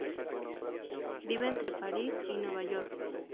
Vive entre París y Nueva York.